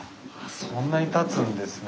そんなにたつんですね。